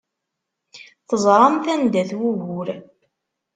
Teẓramt anda-t wugur.